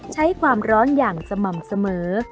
ใช้ความร้อนอย่างสม่ำเสมอ